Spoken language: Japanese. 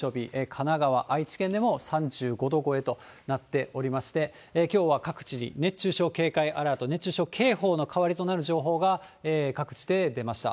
神奈川、愛知県でも、３５度超えとなっておりまして、きょうは各地、熱中症警戒アラート、熱中症警報の代わりとなる情報が各地で出ました。